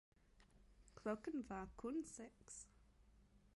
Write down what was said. klokken var kun seks.